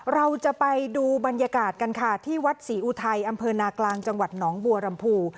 เราจะไปดูบรรยากาศกันค่ะที่วัดศรีอุทัยอำเภอนากลางจังหวัดหนองบัวลำพู